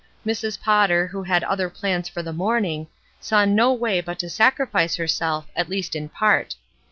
Mrs. Potter, who had other plans for the morning, saw no way but to sacrifice herself, at least in part.